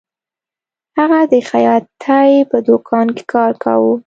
هغه د خیاطۍ په دکان کې کار کاوه